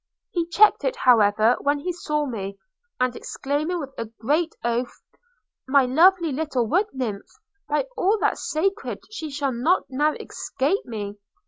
He checked it, however, when he saw me, and exclaiming: with a great oath – 'My lovely little wood nymph! By all that's sacred she shall not now escape me!'